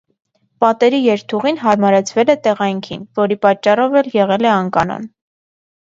Պատերի երթուղին հարմարեցվել է տեղայնքին, որի պատճառով էլ եղել է անկանոն։